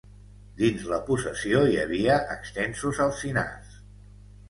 Dins la possessió hi havia extensos alzinars.